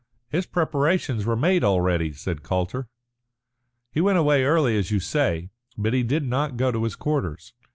"His preparations were made already," said Calder. "He went away early, as you say. But he did not go to his quarters.